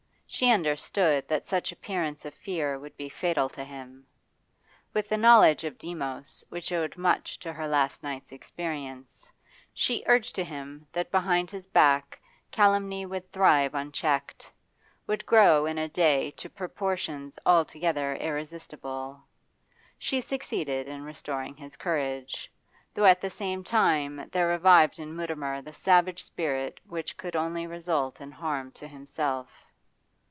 She understood that such appearance of fear would be fatal to him. With a knowledge of Demos which owed much to her last night's experience, she urged to him that behind his back calumny would thrive unchecked, would grow in a day to proportions altogether irresistible. She succeeded in restoring his courage, though at the same time there revived in Mutimer the savage spirit which could only result in harm to himself.